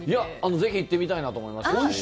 ぜひ行ってみたいと思いました。